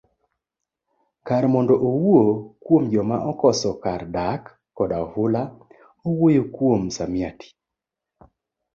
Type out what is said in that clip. Kar mondo owuo kuom joma okoso kar dak koda ofula, owuoyo kuom msamiati.